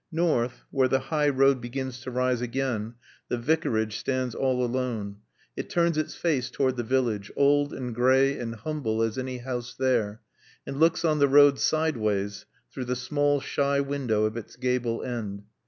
North, where the high road begins to rise again, the Vicarage stands all alone. It turns its face toward the village, old and gray and humble as any house there, and looks on the road sideways, through the small shy window of its gable end.